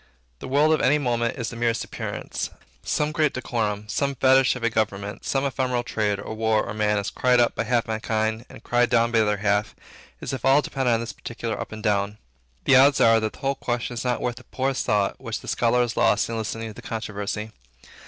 The world of any moment is the merest appearance. Some great decorum, some fetish of a government, some ephemeral trade, or war, or man, is cried up by half mankind and cried down by the other half, as if all depended on this particular up or down. The odds are that the whole question is not worth the poorest thought which the scholar has lost in listening to the controversy.